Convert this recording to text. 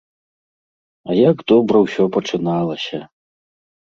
А як добра ўсё пачыналася!